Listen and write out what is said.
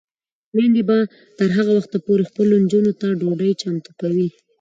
میندې به تر هغه وخته پورې خپلو نجونو ته ډوډۍ چمتو کوي.